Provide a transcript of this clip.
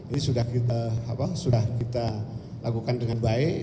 ini sudah kita lakukan dengan baik